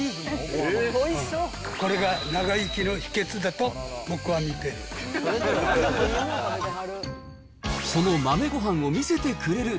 これが長生きの秘けつだと僕は見ている。